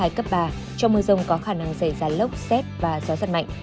trong mưa rông có khả năng xảy ra lốc xét và gió giật mạnh